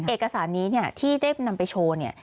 เอกสารนี้ที่ได้นำไปโชว์เนี่ย